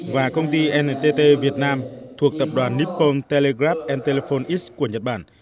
và công ty ntt việt nam thuộc tập đoàn nippon telegraph telephone x của nhật bản